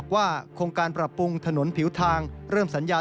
ทำให้เกิดปัชฎพลลั่นธมเหลืองผู้สื่อข่าวไทยรัฐทีวีครับ